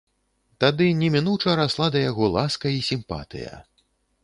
Тады немінуча расла да яго ласка і сімпатыя.